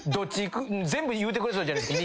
全部言うてくれそうじゃないっすか。